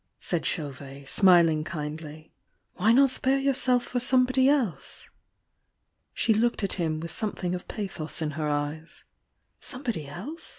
said Chauvet, smihng kindly. "Why not spare yourself for somebody else?" She looked at him with something of pathos in her eyes. "Somebody else?